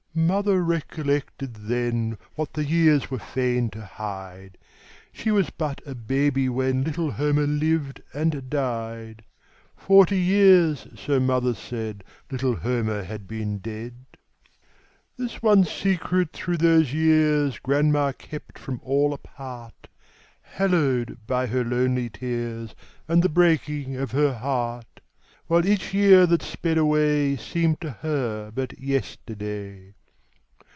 Mother recollected then What the years were fain to hide She was but a baby when Little Homer lived and died; Forty years, so mother said, Little Homer had been dead. This one secret through those years Grandma kept from all apart, Hallowed by her lonely tears And the breaking of her heart; While each year that sped away Seemed to her but yesterday.